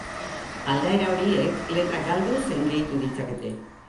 Aldaera horiek letrak galdu zein gehitu ditzakete.